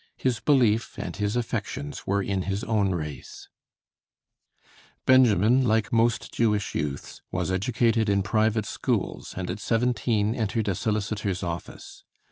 His belief and his affections were in his own race. [Illustration: Lord Beaconsfield] Benjamin, like most Jewish youths, was educated in private schools, and at seventeen entered a solicitor's office.